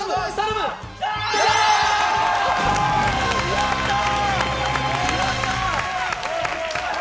やったー！